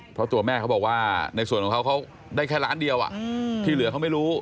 เพราะตัวแม่เขาบอกว่าในส่วนของเขาเขาได้แค่ล้านเดียวที่เหลือเขาไม่รู้